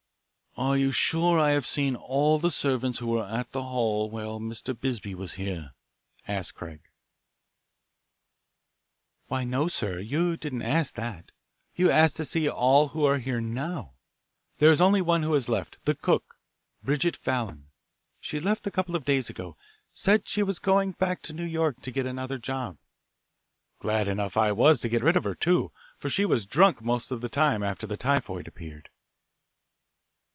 "Are you sure I have seen all the servants who were at the hall while Mr. Bisbee was here" asked Craig. "Why, no, sir you didn't ask that. You asked to see all who are here now. There is only one who has left, the cook, Bridget Fallon. She left a couple of days ago said she was going back to New York to get another job. Glad enough I was to get rid of her, too, for she was drunk most of the time after the typhoid appeared."